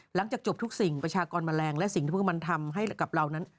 หลังจากจบทุกสิ่งประชากรแมลงและสิ่งที่พวกมันทำให้กับเรานั้น